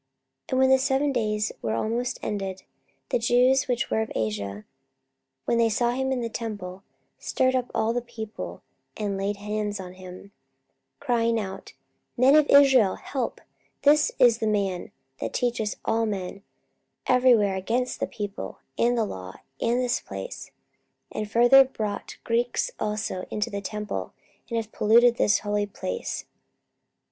44:021:027 And when the seven days were almost ended, the Jews which were of Asia, when they saw him in the temple, stirred up all the people, and laid hands on him, 44:021:028 Crying out, Men of Israel, help: This is the man, that teacheth all men every where against the people, and the law, and this place: and further brought Greeks also into the temple, and hath polluted this holy place.